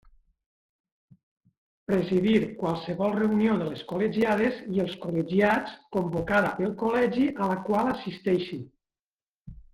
Presidir qualsevol reunió de les col·legiades i els col·legiats convocada pel Col·legi a la qual assisteixi.